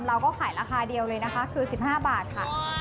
เราก็ขายราคาเดียวเลยนะคะคือ๑๕บาทค่ะ